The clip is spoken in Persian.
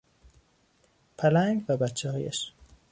پلنگ و بچههایش